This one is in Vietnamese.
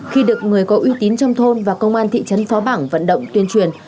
khi được người có uy tín trong thôn và công an thị trấn phó bảng vận động tuyên truyền